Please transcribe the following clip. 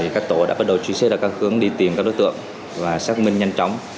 các tổ đã bắt đầu truy xét ra các hướng đi tìm các đối tượng và xác minh nhanh chóng